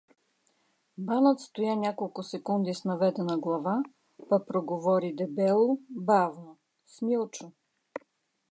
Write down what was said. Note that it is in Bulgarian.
Банът стоя няколко секунди с наведена глава, па проговори дебело, бавно: — Смилчо!